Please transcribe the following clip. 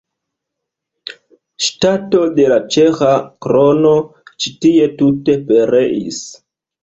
Ŝtato de la Ĉeĥa krono ĉi tie tute pereis.